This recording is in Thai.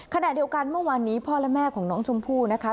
ขณะเดียวกันเมื่อวานนี้พ่อและแม่ของน้องชมพู่นะคะ